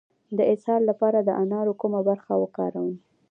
د اسهال لپاره د انارو کومه برخه وکاروم؟